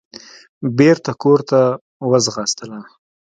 بېرته کورته وځغاستله.